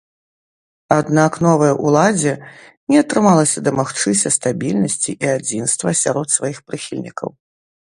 Аднак новай уладзе не атрымалася дамагчыся стабільнасці і адзінства сярод сваіх прыхільнікаў.